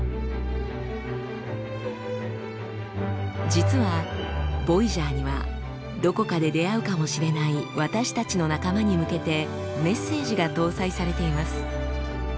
実はボイジャーにはどこかで出会うかもしれない私たちの仲間に向けてメッセージが搭載されています。